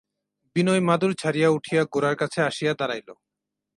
বিনয় মাদুর ছাড়িয়া উঠিয়া গোরার কাছে আসিয়া দাঁড়াইল।